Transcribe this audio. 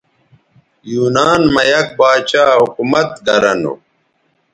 یونان مہ یک باچھا حکومت گرہ نو